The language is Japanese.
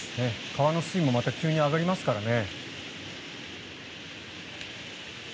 川の水位もまた急に上がりますからね。